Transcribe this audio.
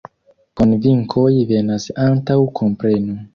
Konvinkoj venas antaŭ kompreno.